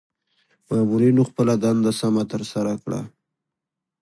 مامورنیو خپله دنده سمه ترسره کړه.